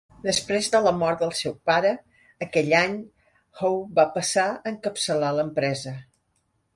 Després de la mort del seu pare aquell any, Hoe va passar a encapçalar l'empresa.